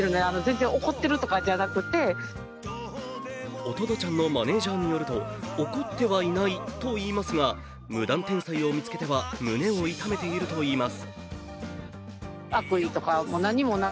おとどちゃんのマネージャーよると怒ってはいないといいますが、無断転載を見つけては胸を痛めているといいます。